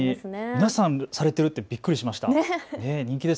皆さん、されているってびっくりしました。